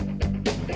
nah ini juga